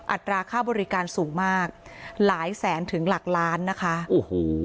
อัตราค่าบริการสูงมากหลายแสนถึงหลักล้านนะคะโอ้โห